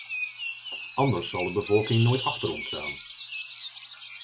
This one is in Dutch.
Anders zal de bevolking nooit achter ons staan.